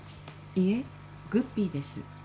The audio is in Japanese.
いえグッピーです。ああ。